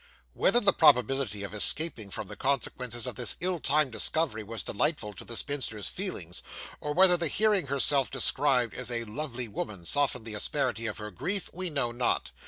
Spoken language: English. Whether the probability of escaping from the consequences of this ill timed discovery was delightful to the spinster's feelings, or whether the hearing herself described as a 'lovely woman' softened the asperity of her grief, we know not.